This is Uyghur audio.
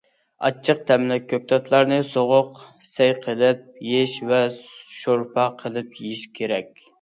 ئاچچىق تەملىك كۆكتاتلارنى سوغۇق سەي قىلىپ يېيىش ۋە شورپا قىلىپ يېيىش كېرەك.